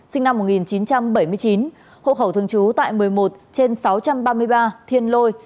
sinh năm một nghìn chín trăm bảy mươi chín hộ khẩu thường trú tại một mươi một trên sáu trăm ba mươi ba thiên lôi